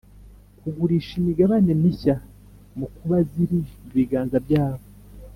kugurisha imigabane mishya mu kuba ziri mu biganza byabo